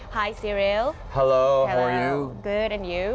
มีคุณลูกหวัดภาษาเท่าอะไรซีเรีล